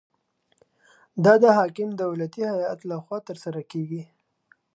دا د حاکم دولتي هیئت لخوا ترسره کیږي.